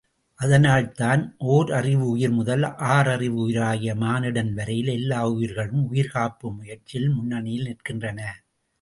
அதனால்தான் ஓரறிவுயிர் முதல் ஆறறிவு உயிராகிய மானிடன் வரையில் எல்லா உயிர்களும் உயிர்காப்பு முயற்சியில் முன்னணியில் நிற்கின்றன.